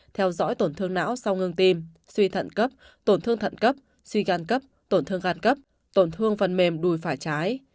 theo dõi tổn thương não sau ngưng tim suy thận cấp tổn thương thận cấp suy gan cấp tổn thương gan cấp tổn thương phần mềm đùi phải trái